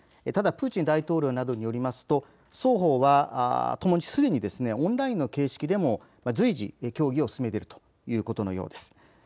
ただプーチン大統領などによりますと双方はともにすでにオンラインの形式でも随時、協議を進めているということのようです。